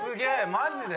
マジで？